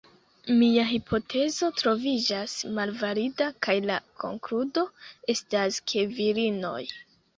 Mia hipotezo troviĝas malvalida kaj la konkludo estas ke virinoj